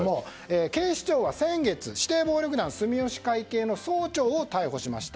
警視庁は先月指定暴力団住吉会系の総長を逮捕しました。